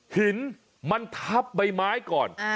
หินมันทับใบไม้ก่อน